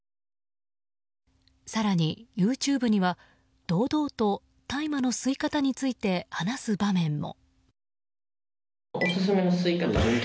更に、ＹｏｕＴｕｂｅには堂々と大麻の吸い方について話す場面も。